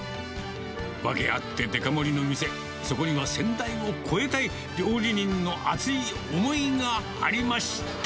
訳あってデカ盛りの店、そこには先代を超えたい料理人の熱い思いがありました。